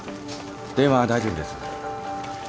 電話大丈夫です。